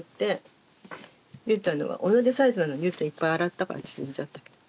ゆうちゃんのは同じサイズなのにいっぱい洗ったから縮んじゃったけど。